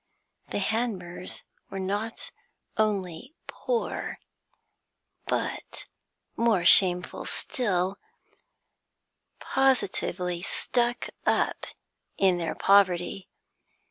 The Hanmers were not only poor, but, more shameful still, positively 'stuck up' in their poverty.